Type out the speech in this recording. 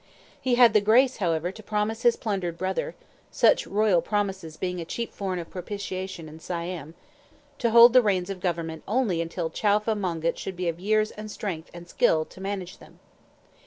He had the grace, however, to promise his plundered brother such royal promises being a cheap form of propitiation in Siam to hold the reins of government only until Chowfa Mongkut should be of years and strength and skill to manage them.